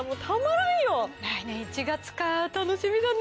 来年１月か楽しみだね。